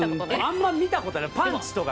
あんま見た事ないパンチとか。